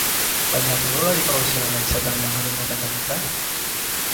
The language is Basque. Baina futbolari profesionala izatea al da bere benetako ametsa?